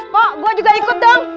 pak gue juga ikut dong